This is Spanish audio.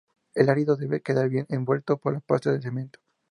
El árido debe quedar bien envuelto por la pasta de cemento.